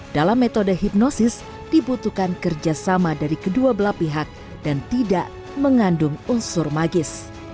dalam metode hipnosis dibutuhkan kerjasama dari kedua belah pihak dan tidak mengandung unsur magis